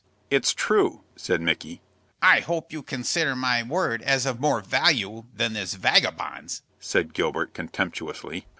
"It's true," said Micky. "I hope you consider my word as of more value than this vagabond's," said Gilbert, contemptuously.